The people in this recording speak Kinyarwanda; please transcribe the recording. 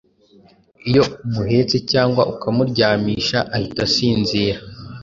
Iyo umuhetse cyangwa ukamuryamisha ahita asinzira.